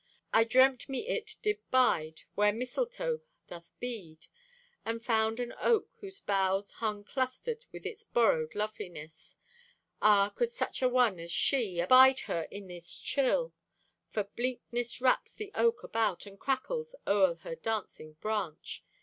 I dreamt me it did bide Where mistletoe doth bead; And found an oak whose boughs Hung clustered with its borrowed loveliness. Ah, could such a one as she Abide her in this chill? For bleakness wraps the oak about And crackles o'er her dancing branch.